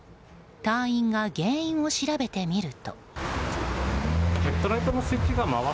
隊員が原因を調べてみると。